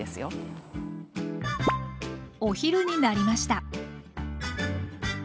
お昼になりました